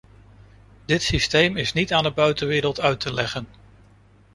Dit systeem is niet aan de buitenwereld te uit te leggen.